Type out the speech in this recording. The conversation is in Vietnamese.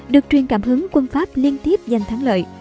được truyền cảm hứng quân pháp liên tiếp giành thắng lợi